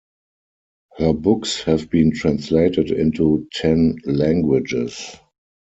Her books have been translated into ten languages.